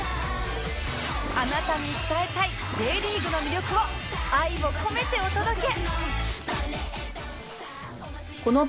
あなたに伝えたい Ｊ リーグの魅力を愛を込めてお届け！